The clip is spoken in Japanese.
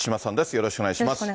よろしくお願いします。